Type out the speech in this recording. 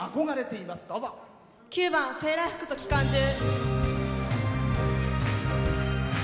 ９番「セーラー服と機関銃」。